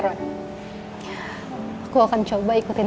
ngomong ngomong kamu itu kok jadi lebih bijak ya